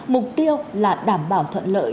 mục tiêu là đảm bảo thuận lợi